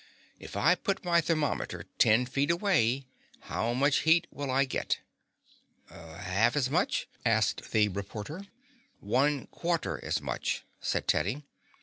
If I put my thermometer ten feet away how much heat will I get?" "Half as much?" asked the reporter. "One quarter as much," said Teddy.